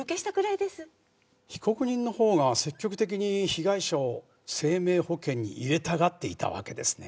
被告人のほうが積極的に被害者を生命保険に入れたがっていたわけですね？